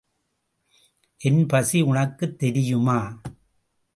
என் பசி உனக்குத் தெரியுமா?